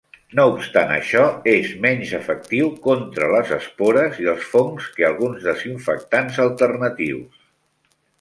No obstant això, és menys efectiu contra les espores i els fongs que alguns desinfectants alternatius.